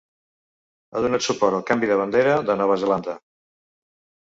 Ha donat suport al canvi de bandera de Nova Zelanda.